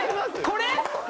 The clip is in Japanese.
これ？